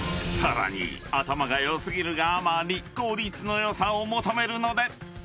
［さらに頭が良過ぎるがあまり効率の良さを求めるので］